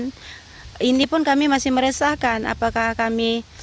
ini pun kami masih meresahkan apakah kami